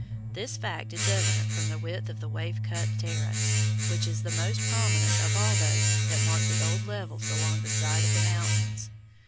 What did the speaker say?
This fact is evident from the width of the wave cut terrace, which is the most prominent of all those that mark the old levels along the sides of the mountains.